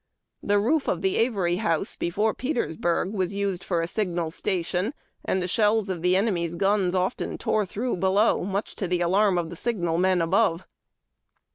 The roof of the Avery House, be fore Petersburg, was used for a signal station, and the shells of the enemy's guns often tore through below much to the alarm of the signal men above.